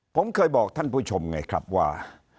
ผมเคยบอกท่านผู้ชมไงครับว่า